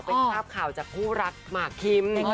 เป็นภาพข่าวจากคู่รักหมากคิม